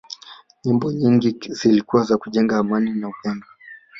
nyimbo nyingi zilikuwa za kujenga amani na upendo